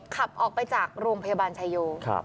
ขับออกไปจากโรงพยาบาลชายโย